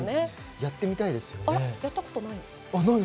やったことないんですか？